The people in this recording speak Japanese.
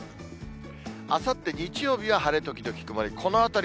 あさって日曜日は晴れ時々曇り。